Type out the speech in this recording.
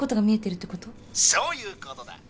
そういうことだ。